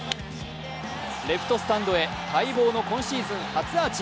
レフトスタンドへ待望の今シーズン初アーチ。